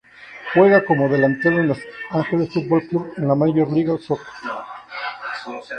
Juega como delantero en Los Angeles Football Club de la Major League Soccer.